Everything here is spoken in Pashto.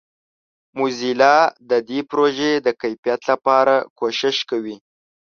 موزیلا د دې پروژې د کیفیت لپاره کوښښ کوي.